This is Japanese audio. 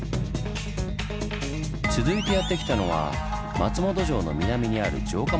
続いてやって来たのは松本城の南にある城下町です。